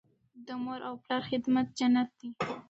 د مور او پلار خدمت جنت دی.